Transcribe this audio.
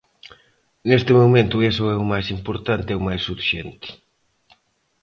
Neste momento iso é o máis importante e o máis urxente.